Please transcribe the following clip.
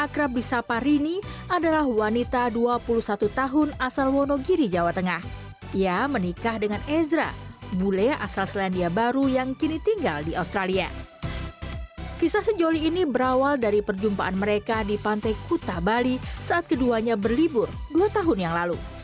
kisah sejoli ini berawal dari perjumpaan mereka di pantai kuta bali saat keduanya berlibur dua tahun yang lalu